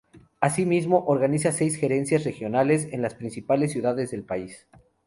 Así mismo, organiza seis gerencias regionales en las principales ciudades del país.